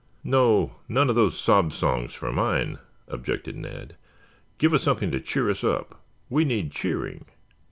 "No, none of those sob songs for mine," objected Ned. "Give us something to cheer us up. We need cheering."